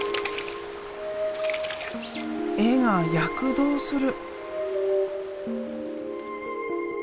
絵が躍動する。